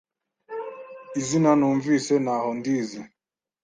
Izina numvise ntaho ndizi